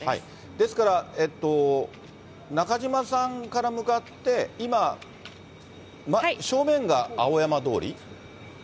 ですから、中島さんから向かって今、正面が青山通り？